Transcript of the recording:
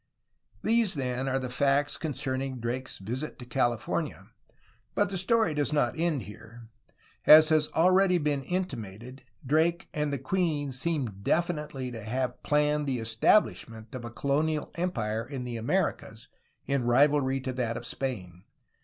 These then are the facts concerning Drake's visit to Cali fornia, but the story does not end here. As has already been intimated, Drake and the queen seem definitely to have planned the estabHshment of a colonial empire in the Americas in rivalry to that of Spain.